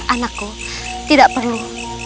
anakku tidak perlu